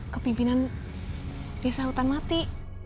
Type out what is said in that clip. kepimpinan desa hutan mati